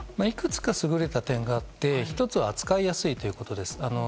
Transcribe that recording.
いくつか優れた点があって１つは扱いやすいということです。